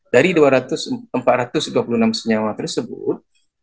dari empat ratus dua puluh enam senyawa tersebut